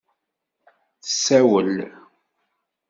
Tessawel.